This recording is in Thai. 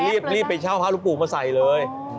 รีบไปเช่าพระลูกปู่มาใส่เลย